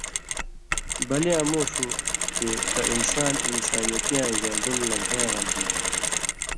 بلیاں مُو ݜُو چے کہ انسان انسانیتیاں ژؤن٘دُن لن٘گھَیں یاں غرضی تھہ